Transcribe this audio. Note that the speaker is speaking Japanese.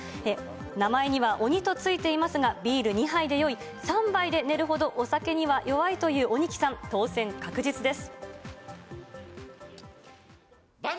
名前には鬼とついていますが、ビール２杯で酔い、３杯で寝るほど、お酒には弱いという鬼木さん、当選確実です。